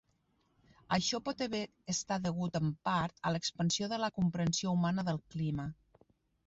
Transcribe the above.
Això pot haver estat degut, en part, a l'expansió de la comprensió humana del clima.